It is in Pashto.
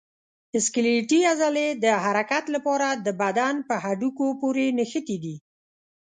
سکلیټي عضلې د حرکت لپاره د بدن په هډوکو پورې نښتي دي.